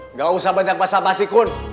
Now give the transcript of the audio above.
nggak usah banyak basa basi kun